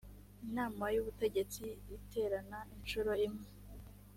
inama y ubutegetsi iterana inshuro imwe